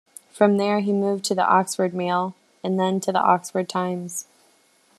From there, he moved to the "Oxford Mail" and then to the "Oxford Times".